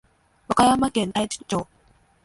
和歌山県太地町